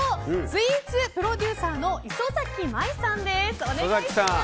スイーツプロデューサーの磯崎舞さんです。